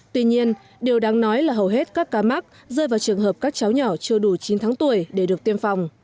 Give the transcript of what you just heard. tuy nhiên điều đáng nói là hầu hết các ca mắc rơi vào trường hợp các cháu nhỏ chưa đủ chín tháng tuổi để được tiêm phòng